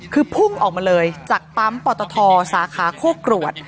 คือพุ่งออกมาเลยจากปั๊มปตทสาขาโคกรวด